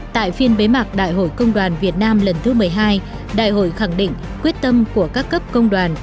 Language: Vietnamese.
tại phiên bế mạc đại hội công đoàn việt nam lần thứ một mươi hai đại hội khẳng định quyết tâm của các cấp công đoàn